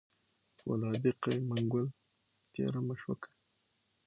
پولادي قوي منګول تېره مشوکه